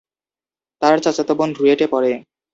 তার চাচাতো বোন রুয়েটে পড়ে।